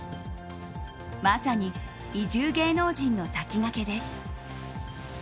まさに移住芸能人の先駆けです。